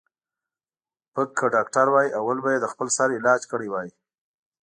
ـ پک که ډاکتر وای اول به یې د خپل سر علاج کړی وای.